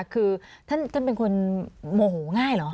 คือท่านเป็นคนโมโหง่ายเหรอ